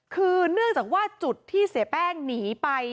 คือเนื่องจากว่าจุดที่เสียแป้งหนีไป